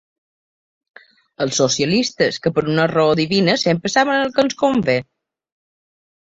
Els socialistes, que per una raó divina sempre saben el que ens convé?